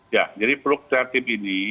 ya jadi fluktuatif ini